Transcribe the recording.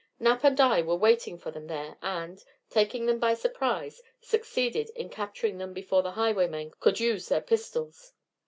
Knapp and I were waiting for them there, and, taking them by surprise, succeeded in capturing them before the highwaymen could use their pistols.